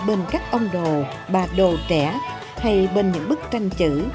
bên các ông đồ bà đồ trẻ hay bên những bức tranh chữ